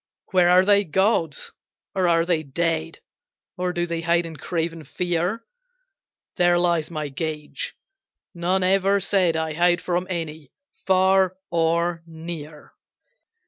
Where are thy gods? Or are they dead, Or do they hide in craven fear? There lies my gage. None ever said I hide from any, far or near."